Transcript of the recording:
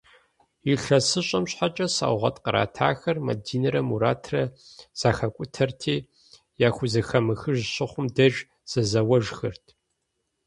Илъэсыщӏэм щхьэкӏэ сэугъэт къратахэр, Мадинэрэ Муратрэ, зэхакӏутэрти, яхузэхэмыхыж щыхъум деж зэзэуэжхэрт.